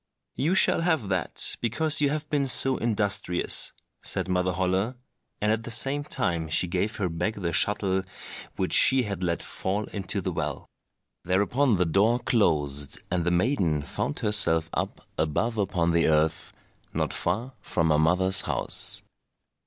"You shall have that because you have been so industrious," said Mother Holle, and at the same time she gave her back the shuttle which she had let fall into the well. Thereupon the door closed, and the maiden found herself up above upon the earth, not far from her mother's house.